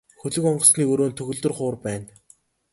Хөлөг онгоцны өрөөнд төгөлдөр хуур байна.